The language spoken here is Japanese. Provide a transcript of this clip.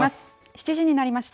７時になりました。